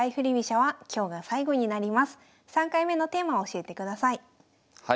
３回目のテーマを教えてください。